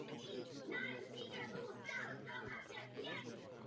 Cestovala jsem do Číny; tento problém nás nezaskočil.